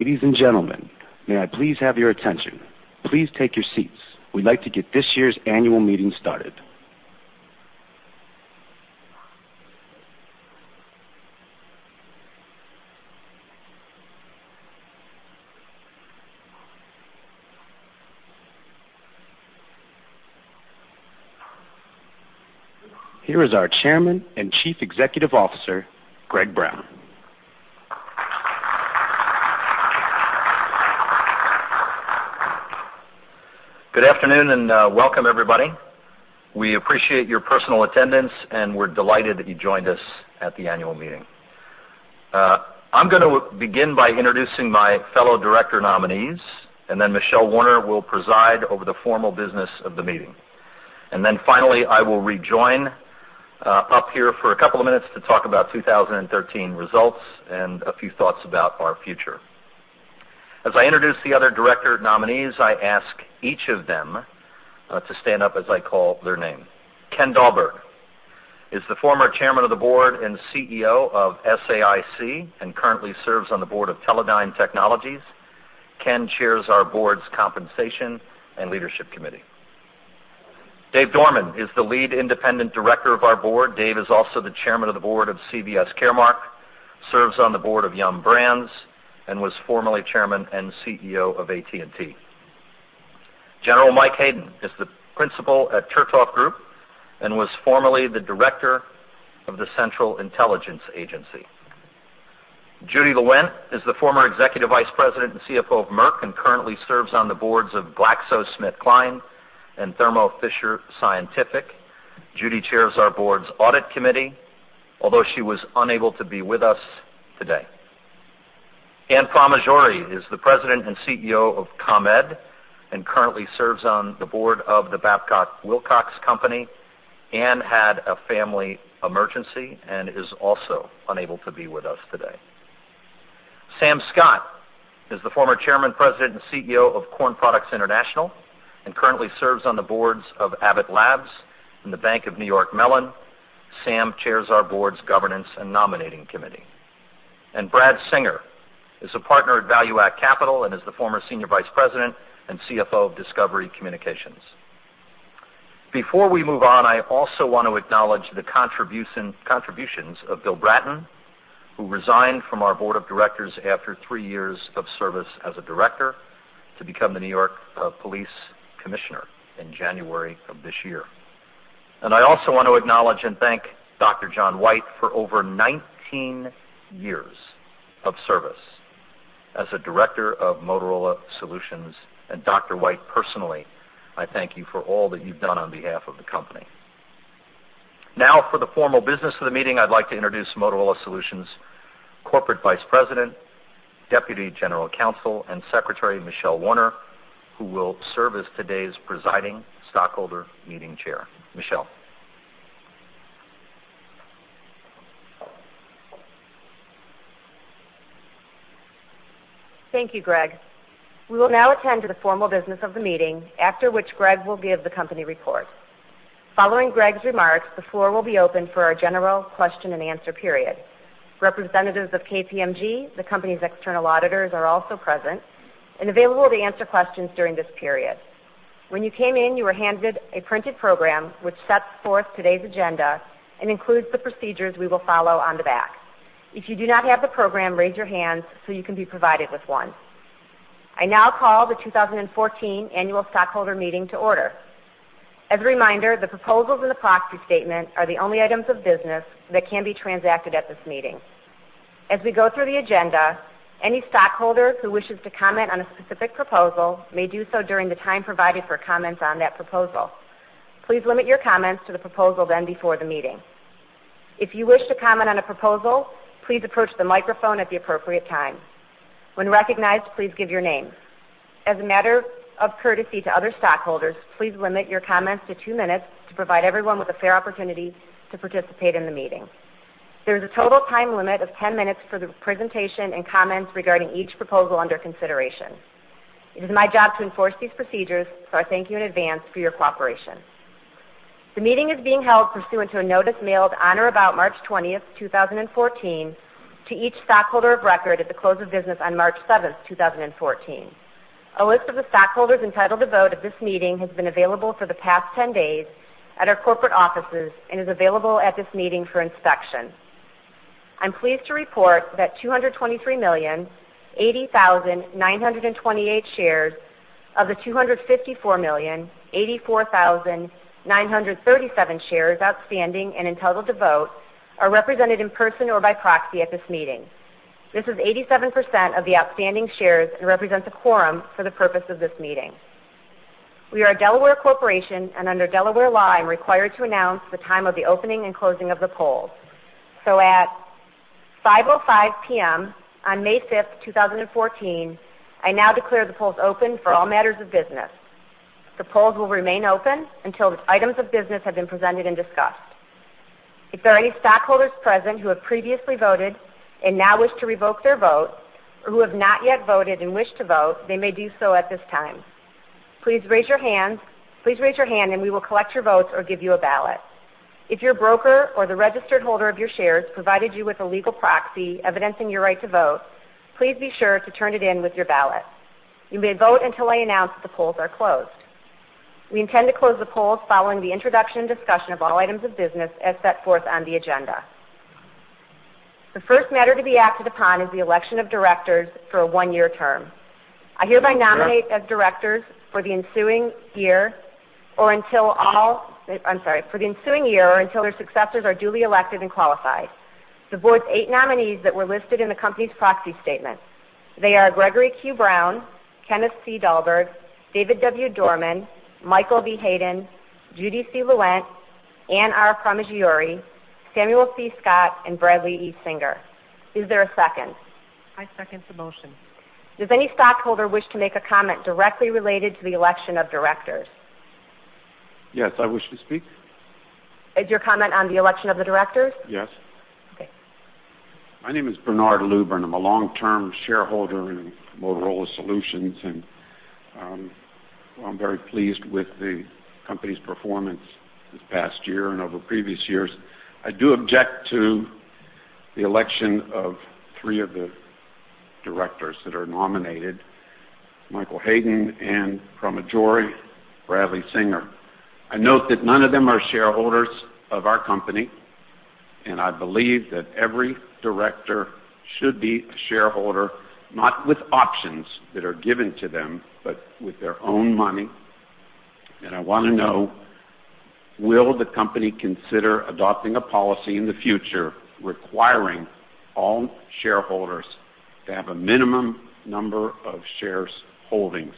Ladies and gentlemen, may I please have your attention? Please take your seats. We'd like to get this year's annual meeting started. Here is our Chairman and Chief Executive Officer, Greg Brown. Good afternoon, and welcome, everybody. We appreciate your personal attendance, and we're delighted that you joined us at the annual meeting. I'm gonna begin by introducing my fellow director nominees, and then Michelle Warner will preside over the formal business of the meeting. Then finally, I will rejoin up here for a couple of minutes to talk about 2013 results and a few thoughts about our future. As I introduce the other director nominees, I ask each of them to stand up as I call their name. Ken Dahlberg is the former Chairman of the Board and CEO of SAIC, and currently serves on the board of Teledyne Technologies. Ken chairs our board's Compensation and Leadership Committee. Dave Dorman is the Lead Independent Director of our board. Dave is also the Chairman of the Board of CVS Caremark, serves on the board of Yum! Brands, and was formerly Chairman and CEO of AT&T. General Mike Hayden is the Principal at Chertoff Group and was formerly the Director of the Central Intelligence Agency. Judy Lewent is the former Executive Vice President and CFO of Merck, and currently serves on the boards of GlaxoSmithKline and Thermo Fisher Scientific. Judy chairs our board's Audit Committee, although she was unable to be with us today. Anne Pramaggiore is the President and CEO of ComEd, and currently serves on the board of the Babcock & Wilcox Company. Anne had a family emergency and is also unable to be with us today. Sam Scott is the former Chairman, President, and CEO of Corn Products International, and currently serves on the boards of Abbott Labs and the Bank of New York Mellon. Sam chairs our board's Governance and Nominating Committee. Brad Singer is a partner at ValueAct Capital and is the former Senior Vice President and CFO of Discovery Communications. Before we move on, I also want to acknowledge the contributions of Bill Bratton, who resigned from our board of directors after three years of service as a director to become the New York Police Commissioner in January of this year. I also want to acknowledge and thank Dr. John White for over 19 years of service as a director of Motorola Solutions. And Dr. White, personally, I thank you for all that you've done on behalf of the company. Now, for the formal business of the meeting, I'd like to introduce Motorola Solutions Corporate Vice President, Deputy General Counsel, and Secretary, Michelle Warner, who will serve as today's presiding stockholder meeting chair. Michelle? Thank you, Greg. We will now attend to the formal business of the meeting, after which Greg will give the company report. Following Greg's remarks, the floor will be open for our general question and answer period. Representatives of KPMG, the company's external auditors, are also present and available to answer questions during this period. When you came in, you were handed a printed program, which sets forth today's agenda and includes the procedures we will follow on the back. If you do not have the program, raise your hand so you can be provided with one. I now call the 2014 Annual Stockholder Meeting to order. As a reminder, the proposals in the Proxy Statement are the only items of business that can be transacted at this meeting. As we go through the agenda, any stockholder who wishes to comment on a specific proposal may do so during the time provided for comments on that proposal. Please limit your comments to the proposal then before the meeting. If you wish to comment on a proposal, please approach the microphone at the appropriate time. When recognized, please give your name. As a matter of courtesy to other stockholders, please limit your comments to two minutes to provide everyone with a fair opportunity to participate in the meeting. There is a total time limit of 10 minutes for the presentation and comments regarding each proposal under consideration. It is my job to enforce these procedures, so I thank you in advance for your cooperation. The meeting is being held pursuant to a notice mailed on or about March 20th, 2014, to each stockholder of record at the close of business on March 7th, 2014. A list of the stockholders entitled to vote at this meeting has been available for the past 10 days at our corporate offices and is available at this meeting for inspection. I'm pleased to report that 223,080,928 shares of the 254,084,937 shares outstanding and entitled to vote are represented in person or by proxy at this meeting. This is 87% of the outstanding shares and represents a quorum for the purpose of this meeting. We are a Delaware corporation, and under Delaware law, I'm required to announce the time of the opening and closing of the polls. So at 5:05 P.M. on May 5th, 2014, I now declare the polls open for all matters of business. The polls will remain open until the items of business have been presented and discussed. If there are any stockholders present who have previously voted and now wish to revoke their vote, or who have not yet voted and wish to vote, they may do so at this time. Please raise your hand. Please raise your hand, and we will collect your votes or give you a ballot. If your broker or the registered holder of your shares provided you with a legal proxy evidencing your right to vote, please be sure to turn it in with your ballot. You may vote until I announce that the polls are closed. We intend to close the polls following the introduction and discussion of all items of business as set forth on the agenda. The first matter to be acted upon is the election of directors for a one-year term. I hereby nominate as directors for the ensuing year, until their successors are duly elected and qualified. The board's eight nominees that were listed in the company's proxy statement, they are Gregory Q. Brown, Kenneth C. Dahlberg, David W. Dorman, Michael V. Hayden, Judy C. Lewent, Anne R. Pramaggiore, Samuel C. Scott, and Bradley E. Singer. Is there a second? I second the motion. Does any stockholder wish to make a comment directly related to the election of directors? Yes, I wish to speak. Is your comment on the election of the directors? Yes. Okay. My name is Bernard Lubran. I'm a long-term shareholder in Motorola Solutions, and, I'm very pleased with the company's performance this past year and over previous years. I do object to the election of three of the directors that are nominated, Michael Hayden, Anne Pramaggiore, Bradley Singer. I note that none of them are shareholders of our company, and I believe that every director should be a shareholder, not with options that are given to them, but with their own money. And I want to know, will the company consider adopting a policy in the future requiring all shareholders to have a minimum number of share holdings?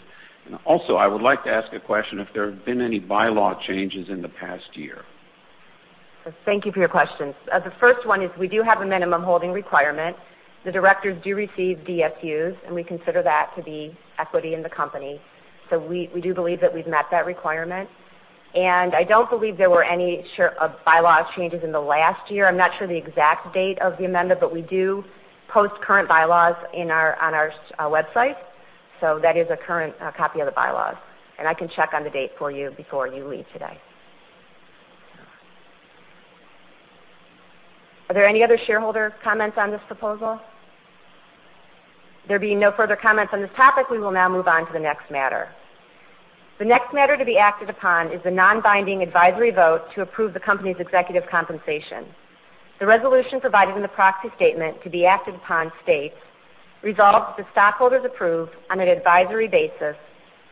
And also, I would like to ask a question if there have been any bylaw changes in the past year. Thank you for your questions. The first one is we do have a minimum holding requirement. The directors do receive DSUs, and we consider that to be equity in the company. So we, we do believe that we've met that requirement. And I don't believe there were any share, bylaw changes in the last year. I'm not sure the exact date of the amendment, but we do post current bylaws in our, on our, website, so that is a current, copy of the bylaws, and I can check on the date for you before you leave today. Are there any other shareholder comments on this proposal? There being no further comments on this topic, we will now move on to the next matter. The next matter to be acted upon is the non-binding advisory vote to approve the company's executive compensation. The resolution provided in the proxy statement to be acted upon states, "Resolved that stockholders approve, on an advisory basis,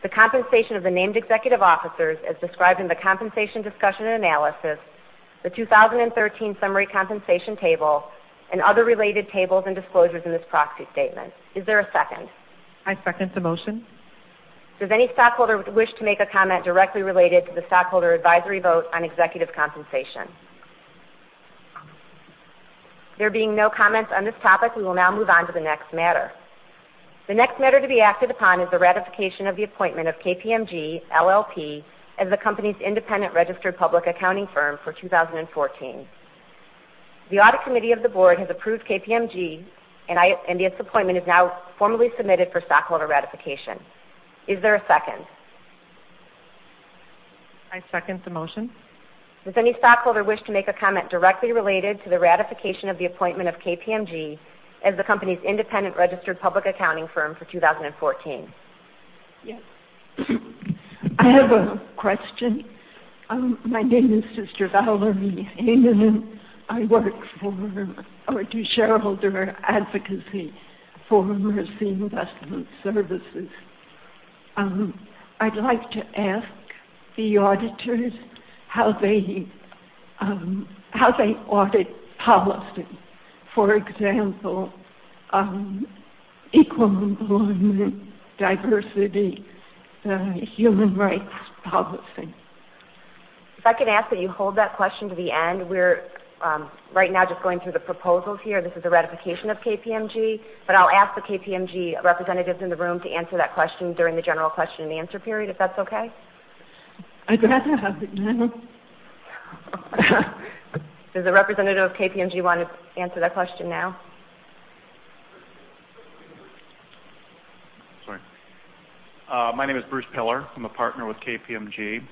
the compensation of the named executive officers as described in the Compensation Discussion and Analysis, the 2013 Summary Compensation Table, and other related tables and disclosures in this proxy statement." Is there a second? I second the motion. Does any stockholder wish to make a comment directly related to the stockholder advisory vote on executive compensation? There being no comments on this topic, we will now move on to the next matter. The next matter to be acted upon is the ratification of the appointment of KPMG LLP as the company's independent registered public accounting firm for 2014. The audit committee of the board has approved KPMG, and its appointment is now formally submitted for stockholder ratification. Is there a second? I second the motion. Does any stockholder wish to make a comment directly related to the ratification of the appointment of KPMG as the company's independent registered public accounting firm for 2014? Yes. I have a question. My name is Sister Valerie Heinonen, and I work for. I do shareholder advocacy for Mercy Investment Services. I'd like to ask the auditors how they, how they audit policy, for example, equal employment, diversity, human rights policy. If I can ask that you hold that question to the end. We're right now just going through the proposals here. This is a ratification of KPMG, but I'll ask the KPMG representatives in the room to answer that question during the general question and answer period, if that's okay? I'd rather have it now. Does a representative of KPMG want to answer that question now? Sorry. My name is Bruce Piller. I'm a partner with KPMG.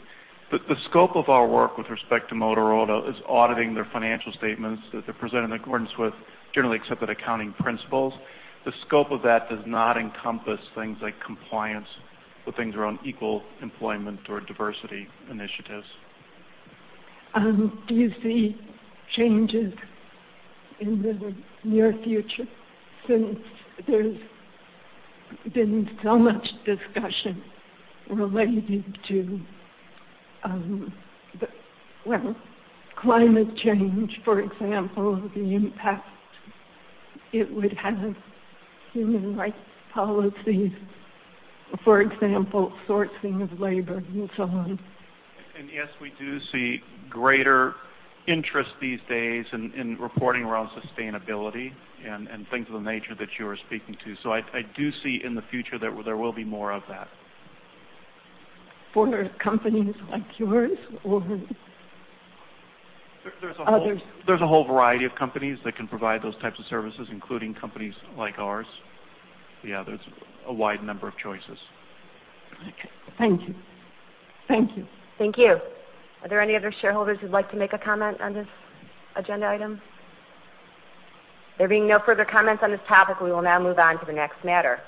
The scope of our work with respect to Motorola is auditing their financial statements that they're presented in accordance with generally accepted accounting principles. The scope of that does not encompass things like compliance with things around equal employment or diversity initiatives. Do you see changes in the near future since there's been so much discussion related to, well, climate change, for example, the impact it would have on human rights policies, for example, sourcing of labor and so on? Yes, we do see greater interest these days in reporting around sustainability and things of the nature that you are speaking to. So I do see in the future that there will be more of that. For companies like yours or? There's a whole variety of companies that can provide those types of services, including companies like ours. Yeah, there's a wide number of choices. Okay, thank you. Thank you. Thank you. Are there any other shareholders who'd like to make a comment on this agenda item? There being no further comments on this topic, we will now move on to the next matter.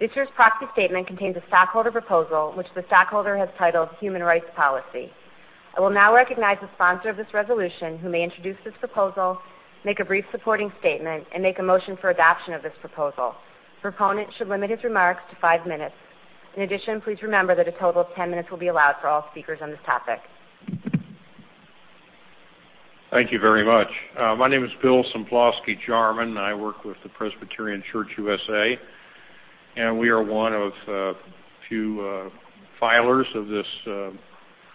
This year's proxy statement contains a stockholder proposal, which the stockholder has titled Human Rights Policy. I will now recognize the sponsor of this resolution, who may introduce this proposal, make a brief supporting statement, and make a motion for adoption of this proposal. Proponent should limit his remarks to five minutes. In addition, please remember that a total of ten minutes will be allowed for all speakers on this topic. Thank you very much. My name is William Somplatsky-Jarman. I work with the Presbyterian Church (U.S.A.), and we are one of few filers of this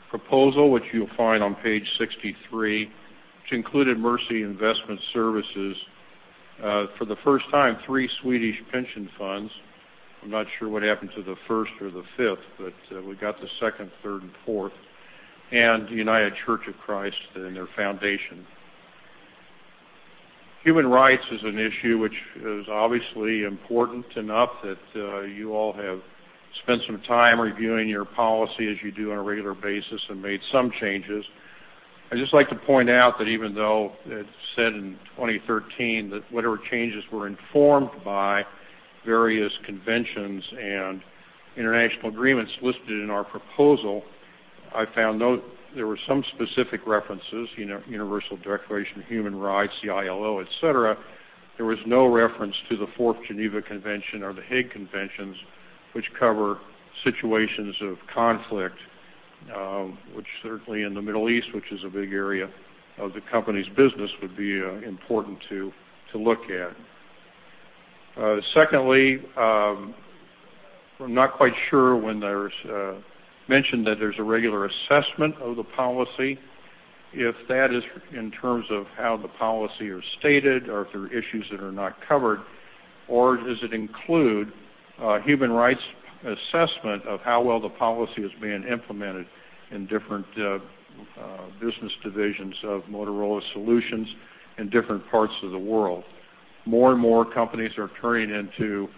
proposal, which you'll find on page 63, which included Mercy Investment Services. For the first time, three Swedish pension funds. I'm not sure what happened to the first or the fifth, but we got the second, third and fourth, and the United Church of Christ and their foundation. Human rights is an issue which is obviously important enough that you all have spent some time reviewing your policy as you do on a regular basis, and made some changes. I'd just like to point out that even though it said in 2013 that whatever changes were informed by various conventions and international agreements listed in our proposal, I found note there were some specific references, Universal Declaration of Human Rights, the ILO, et cetera. There was no reference to the Fourth Geneva Convention or the Hague Conventions, which cover situations of conflict, which certainly in the Middle East, which is a big area of the company's business, would be, important to, to look at. Secondly, I'm not quite sure when there's mention that there's a regular assessment of the policy, if that is in terms of how the policy are stated, or if there are issues that are not covered, or does it include human rights assessment of how well the policy is being implemented in different business divisions of Motorola Solutions in different parts of the world? More and more companies are turning into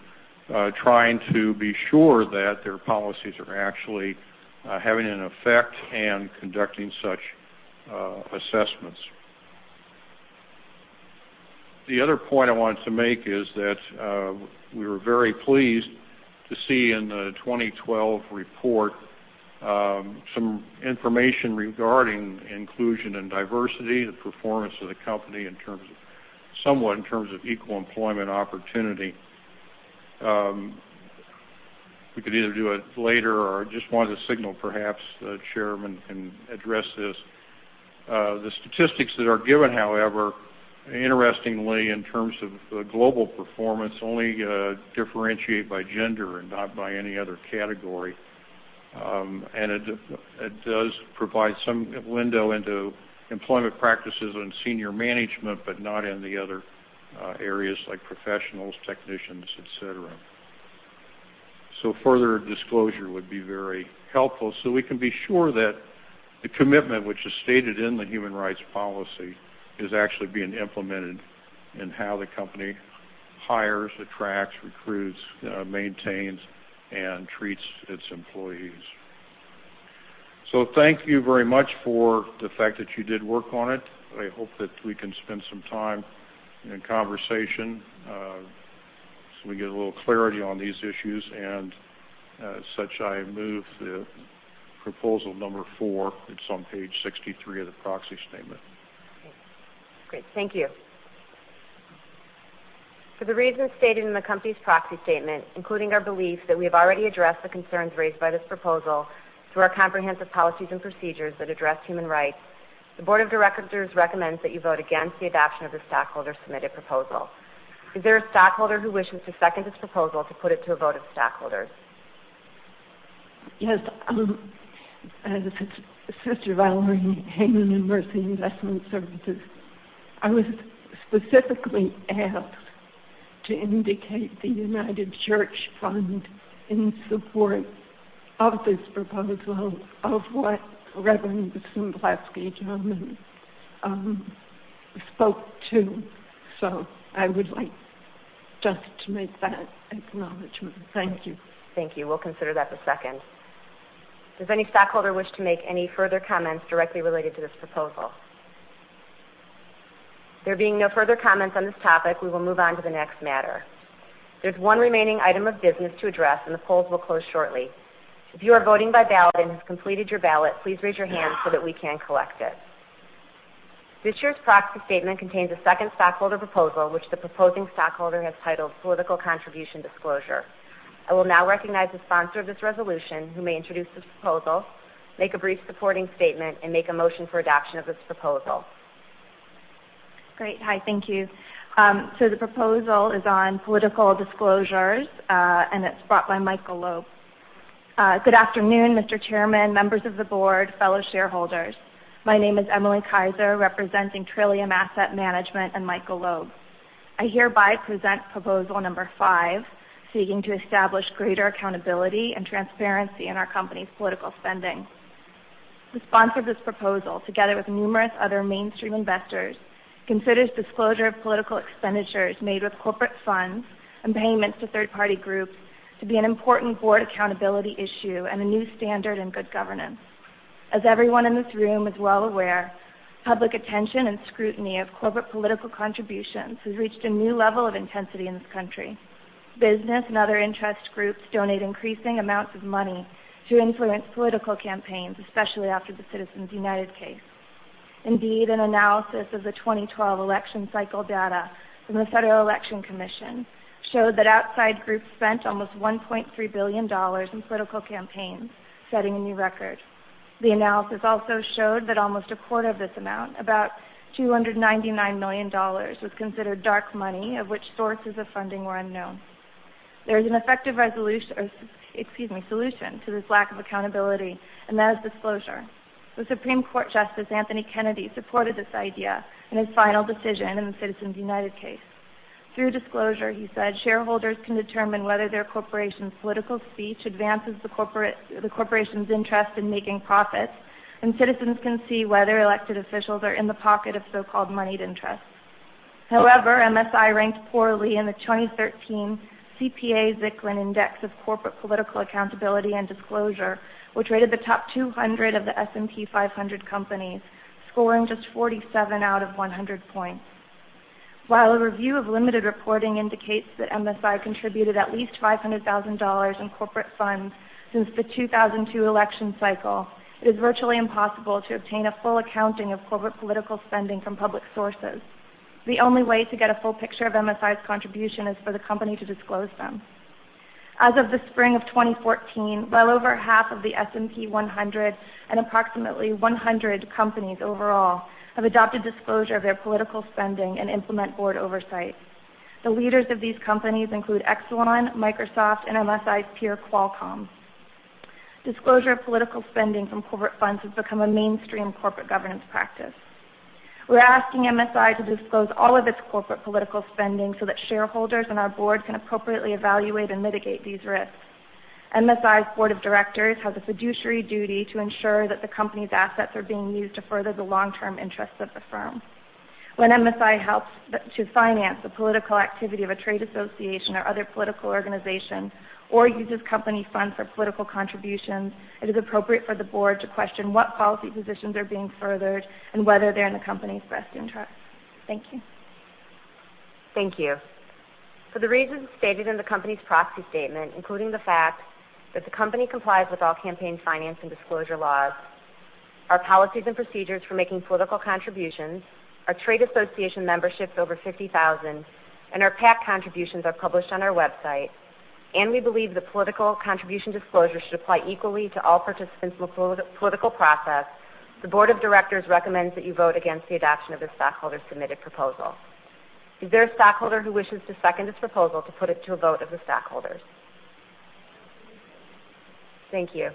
trying to be sure that their policies are actually having an effect and conducting such assessments. The other point I wanted to make is that we were very pleased to see in the 2012 report some information regarding inclusion and diversity, the performance of the company in terms of... Somewhat in terms of equal employment opportunity. We could either do it later or just want to signal, perhaps the chairman can address this. The statistics that are given, however, interestingly, in terms of the global performance, only differentiate by gender and not by any other category. And it, it does provide some window into employment practices in senior management, but not in the other areas like professionals, technicians, et cetera. So further disclosure would be very helpful, so we can be sure that the commitment, which is stated in the human rights policy, is actually being implemented in how the company hires, attracts, recruits, maintains, and treats its employees. So thank you very much for the fact that you did work on it. I hope that we can spend some time in conversation, so we get a little clarity on these issues, and, as such, I move the proposal number 4. It's on page 63 of the proxy statement. Okay, great. Thank you. For the reasons stated in the company's Proxy Statement, including our belief that we have already addressed the concerns raised by this proposal through our comprehensive policies and procedures that address human rights, the Board of Directors recommends that you vote against the adoption of the stockholder-submitted proposal. Is there a stockholder who wishes to second this proposal to put it to a vote of stockholders? Yes, as Sister Valerie Heinonen in Mercy Investment Services, I was specifically asked to indicate the United Church Funds in support of this proposal of what Reverend Somplatsky-Jarman spoke to. So I would like just to make that acknowledgment. Thank you. Thank you. We'll consider that the second. Does any stockholder wish to make any further comments directly related to this proposal? There being no further comments on this topic, we will move on to the next matter. There's one remaining item of business to address, and the polls will close shortly. If you are voting by ballot and have completed your ballot, please raise your hand so that we can collect it. This year's proxy statement contains a second stockholder proposal, which the proposing stockholder has titled Political Contribution Disclosure. I will now recognize the sponsor of this resolution, who may introduce this proposal, make a brief supporting statement, and make a motion for adoption of this proposal. Great. Hi, thank you. So the proposal is on political disclosures, and it's brought by Michael Loeb. Good afternoon, Mr. Chairman, members of the board, fellow shareholders. My name is Emily Kaiser, representing Trillium Asset Management and Michael Loeb. I hereby present proposal number five, seeking to establish greater accountability and transparency in our company's political spending. The sponsor of this proposal, together with numerous other mainstream investors, considers disclosure of political expenditures made with corporate funds and payments to third-party groups to be an important board accountability issue and a new standard in good governance. As everyone in this room is well aware, public attention and scrutiny of corporate political contributions has reached a new level of intensity in this country. Business and other interest groups donate increasing amounts of money to influence political campaigns, especially after the Citizens United case. Indeed, an analysis of the 2012 election cycle data from the Federal Election Commission showed that outside groups spent almost $1.3 billion in political campaigns, setting a new record. The analysis also showed that almost a quarter of this amount, about $299 million, was considered dark money, of which sources of funding were unknown. There is an effective resolution, or excuse me, solution to this lack of accountability, and that is disclosure. The Supreme Court Justice Anthony Kennedy supported this idea in his final decision in the Citizens United case. Through disclosure," he said, "Shareholders can determine whether their corporation's political speech advances the corporate, the corporation's interest in making profits, and citizens can see whether elected officials are in the pocket of so-called moneyed interests." However, MSI ranked poorly in the 2013 CPA-Zicklin Index of Corporate Political Accountability and Disclosure, which rated the top 200 of the S&P 500 companies, scoring just 47 out of 100 points. While a review of limited reporting indicates that MSI contributed at least $500,000 in corporate funds since the 2002 election cycle, it is virtually impossible to obtain a full accounting of corporate political spending from public sources. The only way to get a full picture of MSI's contribution is for the company to disclose them. As of the spring of 2014, well over half of the S&P 100 and approximately 100 companies overall have adopted disclosure of their political spending and implement board oversight. The leaders of these companies include Exxon, Microsoft, and MSI's peer, Qualcomm. Disclosure of political spending from corporate funds has become a mainstream corporate governance practice. We're asking MSI to disclose all of its corporate political spending so that shareholders and our board can appropriately evaluate and mitigate these risks. MSI's board of directors have a fiduciary duty to ensure that the company's assets are being used to further the long-term interests of the firm. When MSI helps to finance the political activity of a trade association or other political organization, or uses company funds for political contributions, it is appropriate for the board to question what policy positions are being furthered and whether they're in the company's best interest. Thank you. Thank you. For the reasons stated in the company's proxy statement, including the fact that the company complies with all campaign finance and disclosure laws, our policies and procedures for making political contributions, our trade association memberships over 50,000, and our PAC contributions are published on our website, and we believe the political contribution disclosure should apply equally to all participants in the political process, the board of directors recommends that you vote against the adoption of this stockholder-submitted proposal. Is there a stockholder who wishes to second this proposal to put it to a vote of the stockholders? Thank you.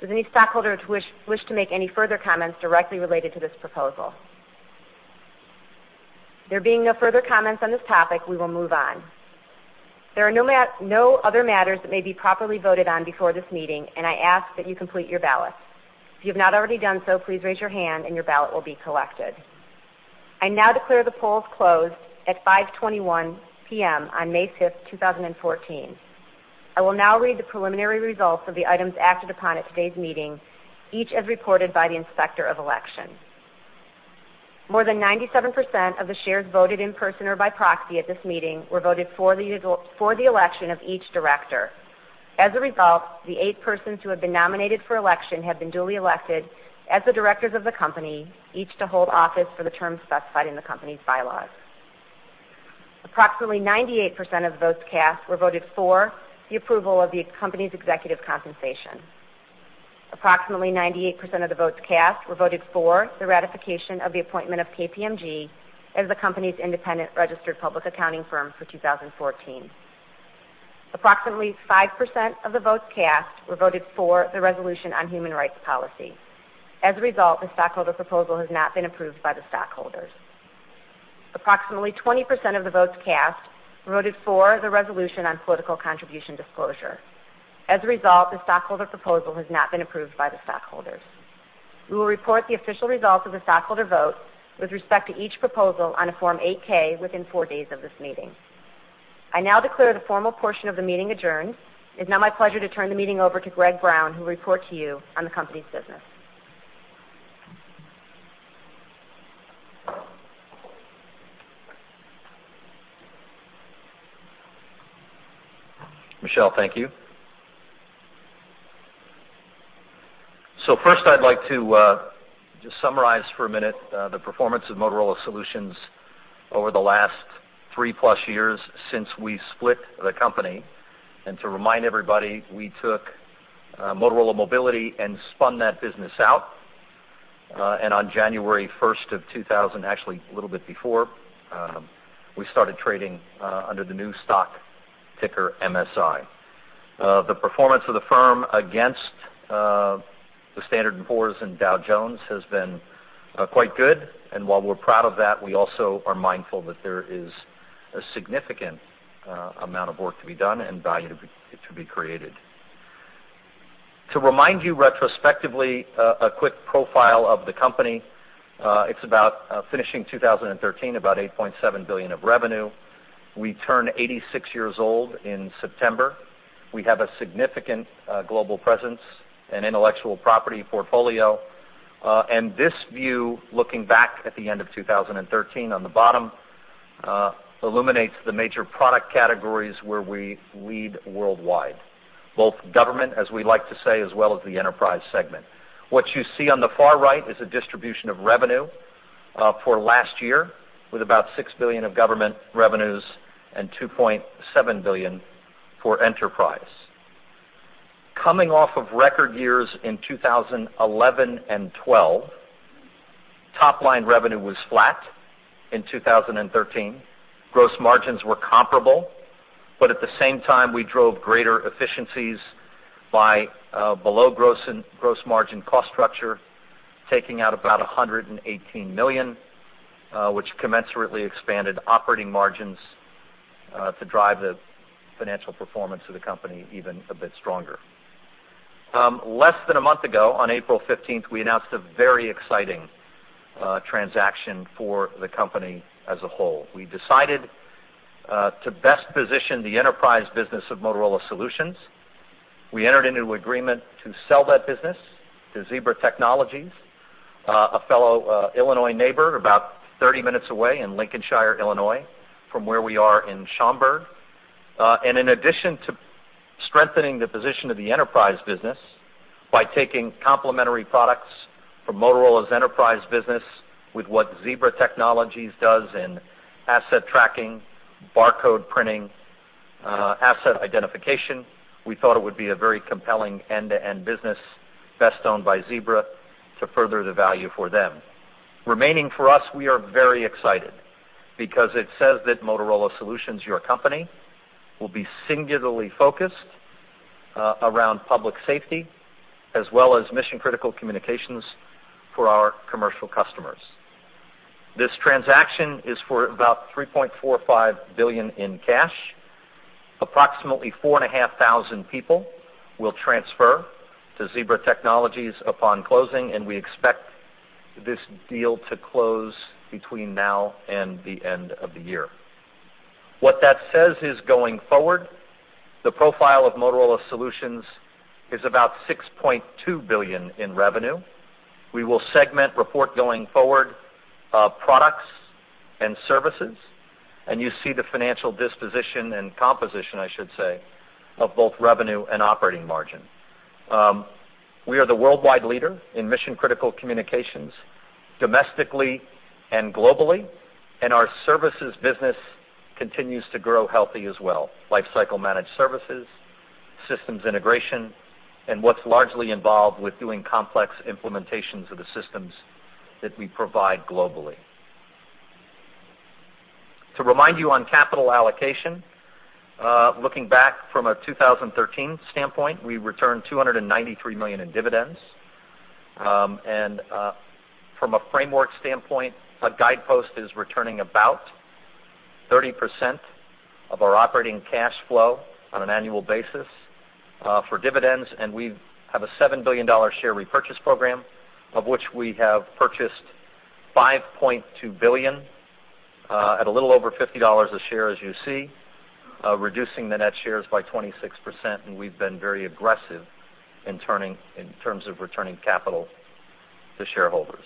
Does any stockholder wish to make any further comments directly related to this proposal? There being no further comments on this topic, we will move on. There are no other matters that may be properly voted on before this meeting, and I ask that you complete your ballot. If you have not already done so, please raise your hand and your ballot will be collected. I now declare the polls closed at 5:21 P.M. on May 5th, 2014. I will now read the preliminary results of the items acted upon at today's meeting, each as reported by the Inspector of Election. More than 97% of the shares voted in person or by proxy at this meeting were voted for the election of each director. As a result, the 8 persons who have been nominated for election have been duly elected as the directors of the company, each to hold office for the term specified in the company's bylaws. Approximately 98% of votes cast were voted for the approval of the company's executive compensation. Approximately 98% of the votes cast were voted for the ratification of the appointment of KPMG as the company's independent registered public accounting firm for 2014. Approximately 5% of the votes cast were voted for the resolution on human rights policy. As a result, the stockholder proposal has not been approved by the stockholders. Approximately 20% of the votes cast were voted for the resolution on political contribution disclosure. As a result, the stockholder proposal has not been approved by the stockholders. We will report the official results of the stockholder vote with respect to each proposal on a Form 8-K within four days of this meeting. I now declare the formal portion of the meeting adjourned. It's now my pleasure to turn the meeting over to Greg Brown, who will report to you on the company's business. Michelle, thank you. So first, I'd like to just summarize for a minute the performance of Motorola Solutions over the last 3-plus years since we split the company, and to remind everybody, we took Motorola Mobility and spun that business out. And on January 1st of 2000. Actually, a little bit before, we started trading under the new stock ticker, MSI. The performance of the firm against the Standard & Poor's and Dow Jones has been quite good. And while we're proud of that, we also are mindful that there is a significant amount of work to be done and value to be, to be created. To remind you retrospectively, a quick profile of the company. It's about finishing 2013, about $8.7 billion of revenue. We turned 86 years old in September. We have a significant global presence and intellectual property portfolio. And this view, looking back at the end of 2013 on the bottom, illuminates the major product categories where we lead worldwide, both government, as we like to say, as well as the enterprise segment. What you see on the far right is a distribution of revenue for last year, with about $6 billion of government revenues and $2.7 billion for enterprise. Coming off of record years in 2011 and 2012, top line revenue was flat in 2013. Gross margins were comparable, but at the same time, we drove greater efficiencies by below gross margin cost structure, taking out about $118 million, which commensurately expanded operating margins to drive the financial performance of the company even a bit stronger. Less than a month ago, on April fifteenth, we announced a very exciting transaction for the company as a whole. We decided to best position the enterprise business of Motorola Solutions. We entered into an agreement to sell that business to Zebra Technologies, a fellow Illinois neighbor, about 30 minutes away in Lincolnshire, Illinois, from where we are in Schaumburg. And in addition to strengthening the position of the enterprise business by taking complementary products from Motorola's enterprise business with what Zebra Technologies does in asset tracking, barcode printing, asset identification, we thought it would be a very compelling end-to-end business, best owned by Zebra to further the value for them. Remaining for us, we are very excited because it says that Motorola Solutions, your company, will be singularly focused, around public safety as well as mission-critical communications for our commercial customers. This transaction is for about $3.45 billion in cash. Approximately 4,500 people will transfer to Zebra Technologies upon closing, and we expect this deal to close between now and the end of the year. What that says is, going forward, the profile of Motorola Solutions is about $6.2 billion in revenue. We will segment report going forward, products and services, and you see the financial disposition and composition, I should say, of both revenue and operating margin. We are the worldwide leader in mission-critical communications, domestically and globally, and our services business continues to grow healthy as well. Lifecycle managed services, systems integration, and what's largely involved with doing complex implementations of the systems that we provide globally. To remind you on capital allocation, looking back from a 2013 standpoint, we returned $293 million in dividends. And from a framework standpoint, our guidepost is returning about 30% of our operating cash flow on an annual basis, for dividends. We have a $7 billion share repurchase program, of which we have purchased $5.2 billion at a little over $50 a share, as you see, reducing the net shares by 26%, and we've been very aggressive in terms of returning capital to shareholders.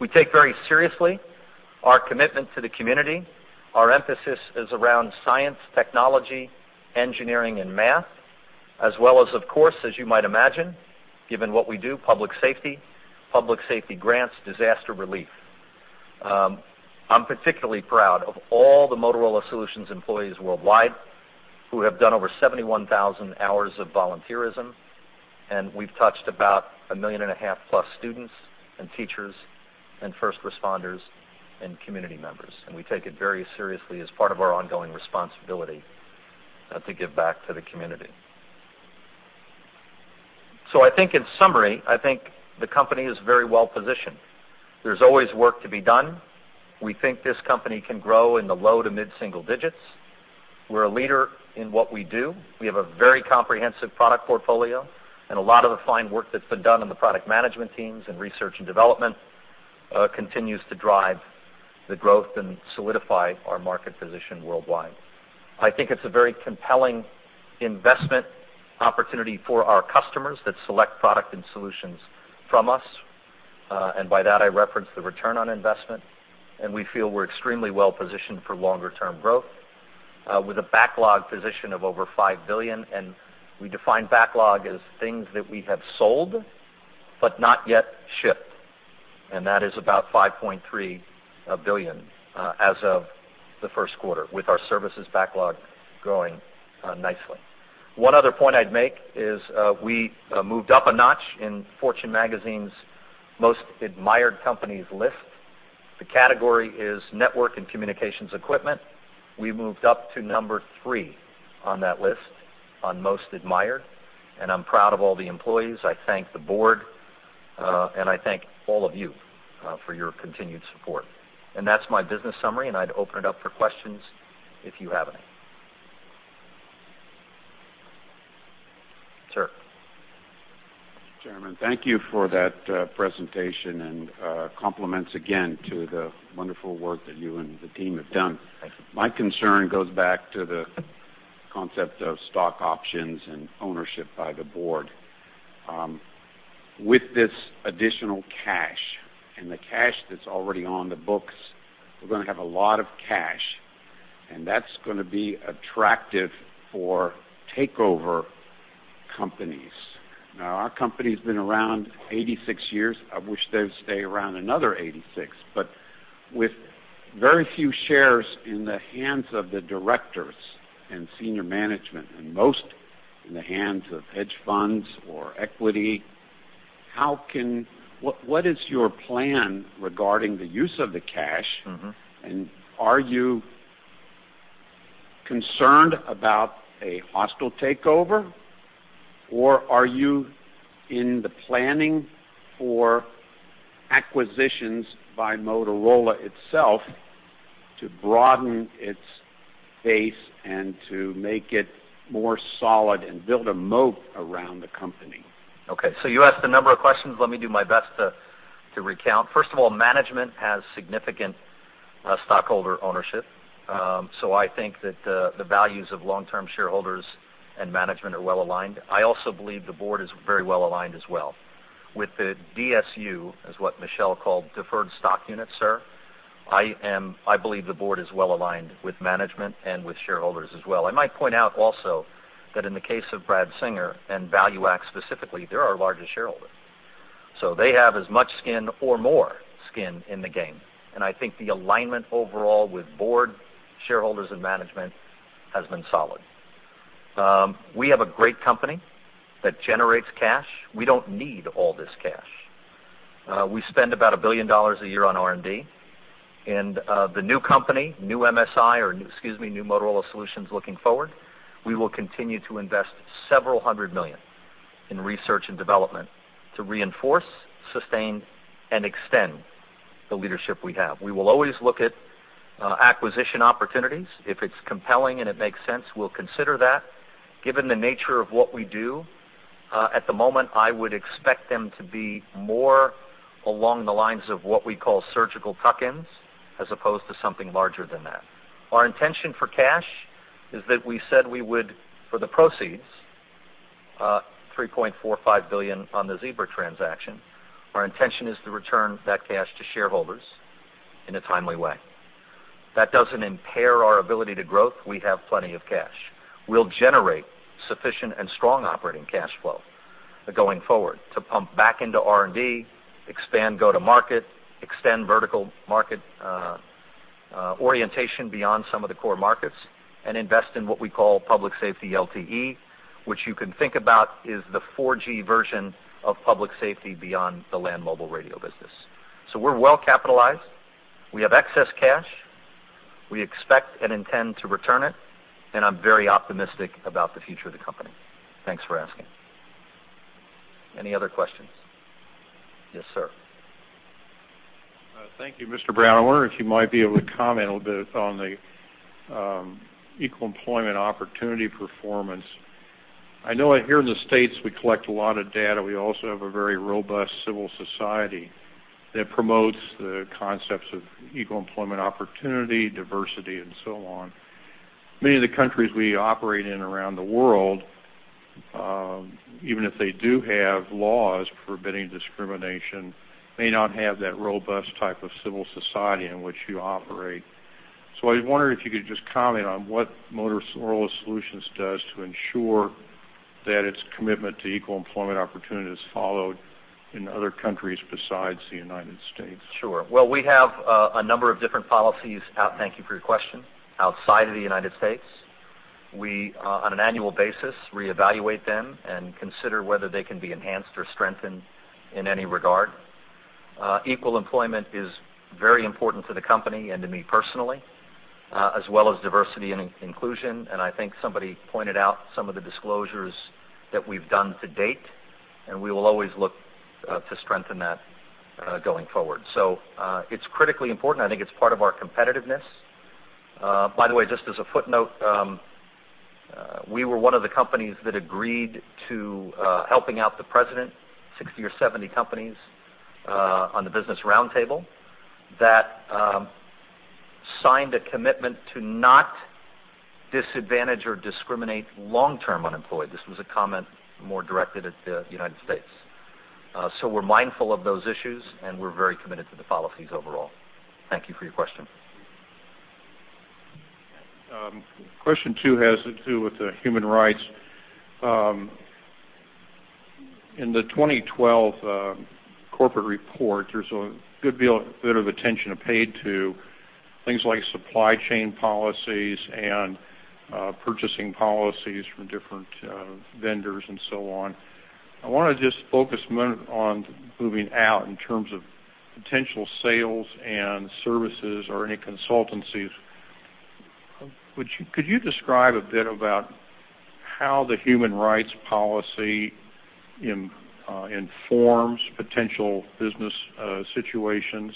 We take very seriously our commitment to the community. Our emphasis is around science, technology, engineering, and math, as well as, of course, as you might imagine, given what we do, public safety, public safety grants, disaster relief. I'm particularly proud of all the Motorola Solutions employees worldwide who have done over 71,000 hours of volunteerism, and we've touched about 1.5 million plus students and teachers and first responders and community members. We take it very seriously as part of our ongoing responsibility to give back to the community. So I think in summary, I think the company is very well positioned. There's always work to be done. We think this company can grow in the low to mid single digits. We're a leader in what we do. We have a very comprehensive product portfolio, and a lot of the fine work that's been done on the product management teams and research and development, continues to drive the growth and solidify our market position worldwide. I think it's a very compelling investment opportunity for our customers that select product and solutions from us, and by that, I reference the return on investment, and we feel we're extremely well positioned for longer-term growth, with a backlog position of over $5 billion, and we define backlog as things that we have sold but not yet shipped, and that is about $5.3 billion, as of the first quarter, with our services backlog growing nicely. One other point I'd make is, we moved up a notch in Fortune Magazine's Most Admired Companies list. The category is network and communications equipment. We moved up to number three on that list on most admired, and I'm proud of all the employees. I thank the board, and I thank all of you, for your continued support. That's my business summary, and I'd open it up for questions if you have any. Sir? Chairman, thank you for that presentation, and compliments again to the wonderful work that you and the team have done. Thank you. My concern goes back to the concept of stock options and ownership by the board. With this additional cash and the cash that's already on the books, we're gonna have a lot of cash, and that's gonna be attractive for takeover companies. Now, our company's been around 86 years. I wish they'd stay around another 86, but with very few shares in the hands of the directors and senior management, and most in the hands of hedge funds or equity, how can—what, what is your plan regarding the use of the cash? Mm-hmm. Are you concerned about a hostile takeover, or are you in the planning for acquisitions by Motorola itself to broaden its base and to make it more solid and build a moat around the company? Okay, so you asked a number of questions. Let me do my best to recount. First of all, management has significant stockholder ownership. So I think that the values of long-term shareholders and management are well aligned. I also believe the board is very well aligned as well. With the DSU, is what Michelle called deferred stock units, sir. I believe the board is well aligned with management and with shareholders as well. I might point out also that in the case of Bradley Singer and ValueAct, specifically, they're our largest shareholder. So they have as much skin or more skin in the game, and I think the alignment overall with board, shareholders, and management has been solid. We have a great company that generates cash. We don't need all this cash. We spend about $1 billion a year on R&D, and, the new company, new MSI, or excuse me, new Motorola Solutions, looking forward, we will continue to invest several hundred million dollars in research and development to reinforce, sustain, and extend the leadership we have. We will always look at, acquisition opportunities. If it's compelling and it makes sense, we'll consider that. Given the nature of what we do, at the moment, I would expect them to be more along the lines of what we call surgical tuck-ins, as opposed to something larger than that. Our intention for cash is that we said we would, for the proceeds, $3.45 billion on the Zebra transaction, our intention is to return that cash to shareholders in a timely way. That doesn't impair our ability to grow. We have plenty of cash. We'll generate sufficient and strong operating cash flow going forward to pump back into R&D, expand go-to-market, extend vertical market orientation beyond some of the core markets, and invest in what we call public safety LTE, which you can think about is the 4G version of public safety beyond the land mobile radio business. So we're well capitalized. We have excess cash. We expect and intend to return it, and I'm very optimistic about the future of the company. Thanks for asking. Any other questions? Yes, sir. Thank you, Mr. Brown. I wonder if you might be able to comment a little bit on the Equal Employment Opportunity performance. I know that here in the States, we collect a lot of data. We also have a very robust civil society that promotes the concepts of equal employment opportunity, diversity, and so on. Many of the countries we operate in around the world, even if they do have laws forbidding discrimination, may not have that robust type of civil society in which you operate. So I was wondering if you could just comment on what Motorola Solutions does to ensure that its commitment to equal employment opportunity is followed in other countries besides the United States. Sure. Well, we have a number of different policies out—thank you for your question, outside of the United States. We, on an annual basis, reevaluate them and consider whether they can be enhanced or strengthened in any regard. Equal employment is very important to the company and to me personally, as well as diversity and inclusion, and I think somebody pointed out some of the disclosures that we've done to date, and we will always look to strengthen that going forward. So, it's critically important. I think it's part of our competitiveness. By the way, just as a footnote, we were one of the companies that agreed to helping out the president, 60 or 70 companies, on the Business Roundtable, that signed a commitment to not disadvantage or discriminate long-term unemployed. This was a comment more directed at the United States. So we're mindful of those issues, and we're very committed to the policies overall. Thank you for your question. Question two has to do with the human rights. In the 2012 corporate report, there's a good deal, bit of attention paid to-... Things like supply chain policies and purchasing policies from different vendors and so on. I wanna just focus a minute on moving out in terms of potential sales and services or any consultancies. Could you describe a bit about how the human rights policy informs potential business situations,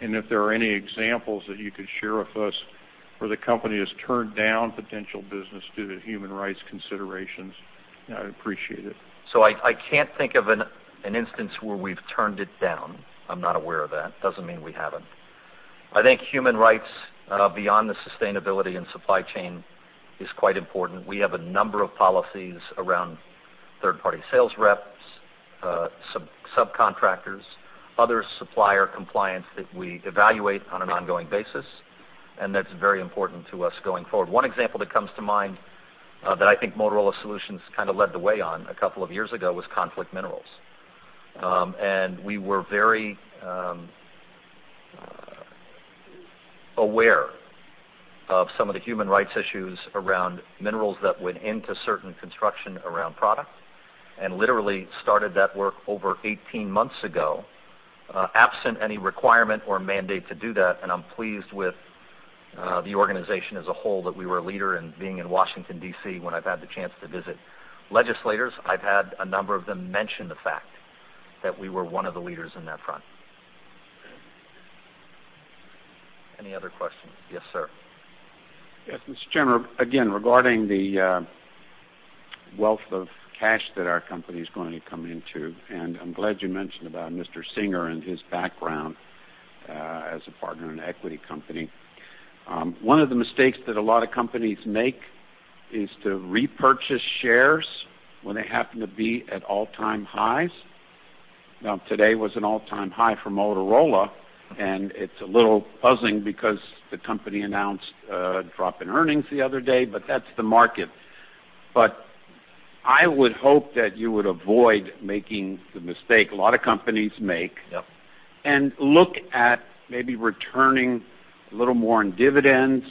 and if there are any examples that you could share with us where the company has turned down potential business due to human rights considerations? I'd appreciate it. So I can't think of an instance where we've turned it down. I'm not aware of that. Doesn't mean we haven't. I think human rights, beyond the sustainability and supply chain, is quite important. We have a number of policies around third-party sales reps, sub-subcontractors, other supplier compliance that we evaluate on an ongoing basis, and that's very important to us going forward. One example that comes to mind, that I think Motorola Solutions kind of led the way on a couple of years ago, was conflict minerals. And we were very aware of some of the human rights issues around minerals that went into certain construction around product, and literally started that work over 18 months ago, absent any requirement or mandate to do that, and I'm pleased with the organization as a whole, that we were a leader. Being in Washington, D.C., when I've had the chance to visit legislators, I've had a number of them mention the fact that we were one of the leaders in that front. Any other questions? Yes, sir. Yes, Mr. Chairman, again, regarding the wealth of cash that our company's going to come into, and I'm glad you mentioned about Mr. Singer and his background as a partner in an equity company. One of the mistakes that a lot of companies make is to repurchase shares when they happen to be at all-time highs. Now, today was an all-time high for Motorola, and it's a little puzzling because the company announced a drop in earnings the other day, but that's the market. But I would hope that you would avoid making the mistake a lot of companies make- Yep. and look at maybe returning a little more on dividends,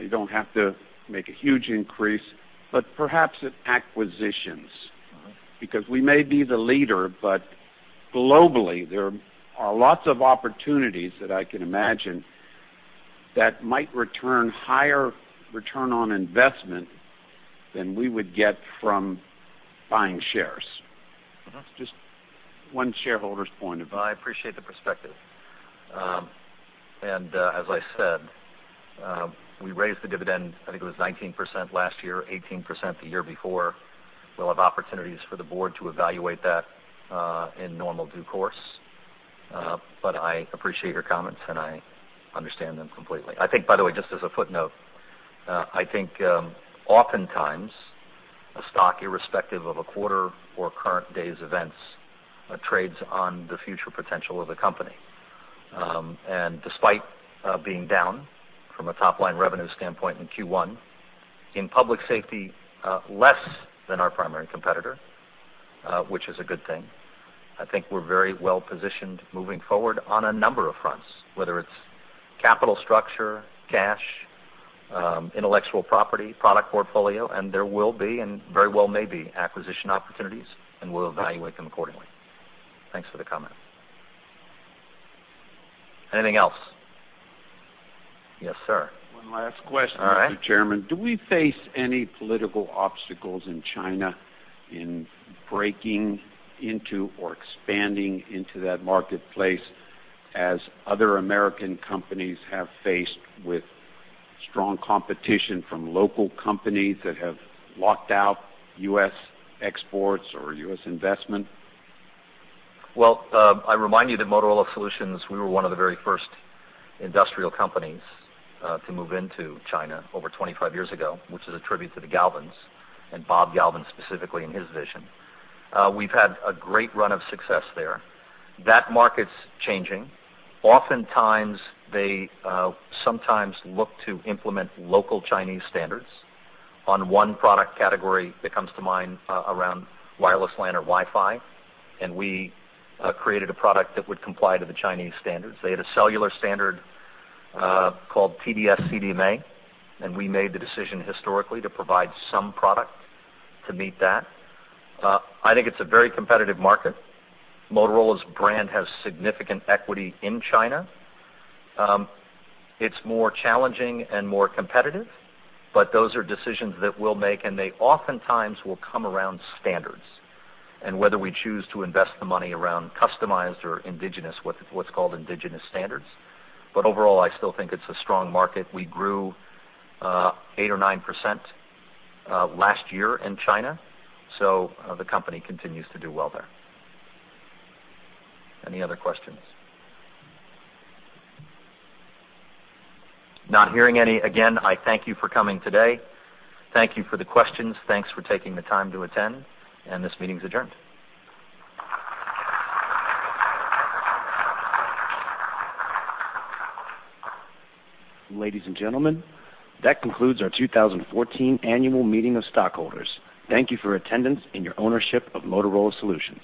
you don't have to make a huge increase, but perhaps at acquisitions. Uh-huh. Because we may be the leader, but globally, there are lots of opportunities that I can imagine that might return higher return on investment than we would get from buying shares. Uh-huh. Just one shareholder's point of view. I appreciate the perspective. As I said, we raised the dividend, I think it was 19% last year, 18% the year before. We'll have opportunities for the board to evaluate that, in normal due course. I appreciate your comments, and I understand them completely. I think, by the way, just as a footnote, I think, oftentimes, a stock, irrespective of a quarter or current day's events, trades on the future potential of the company. And despite being down from a top-line revenue standpoint in Q1, in public safety, less than our primary competitor, which is a good thing, I think we're very well positioned moving forward on a number of fronts, whether it's capital structure, cash, intellectual property, product portfolio, and there will be, and very well may be, acquisition opportunities, and we'll evaluate them accordingly. Thanks for the comment. Anything else? Yes, sir. One last question- All right. Mr. Chairman, do we face any political obstacles in China in breaking into or expanding into that marketplace, as other American companies have faced with strong competition from local companies that have locked out U.S. exports or U.S. investment? Well, I remind you that Motorola Solutions, we were one of the very first industrial companies to move into China over 25 years ago, which is a tribute to the Galvins, and Bob Galvin, specifically, and his vision. We've had a great run of success there. That market's changing. Oftentimes, they sometimes look to implement local Chinese standards. On one product category that comes to mind, around wireless LAN or Wi-Fi, and we created a product that would comply to the Chinese standards. They had a cellular standard called TD-SCDMA, and we made the decision historically to provide some product to meet that. I think it's a very competitive market. Motorola's brand has significant equity in China. It's more challenging and more competitive, but those are decisions that we'll make, and they oftentimes will come around standards, and whether we choose to invest the money around customized or indigenous, what's called indigenous standards. But overall, I still think it's a strong market. We grew 8%-9% last year in China, so the company continues to do well there. Any other questions? Not hearing any. Again, I thank you for coming today. Thank you for the questions. Thanks for taking the time to attend, and this meeting's adjourned. Ladies and gentlemen, that concludes our 2014 Annual Meeting of Stockholders. Thank you for your attendance and your ownership of Motorola Solutions.